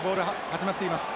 始まっています。